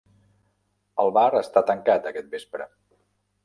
El bar està tancat aquest vespre.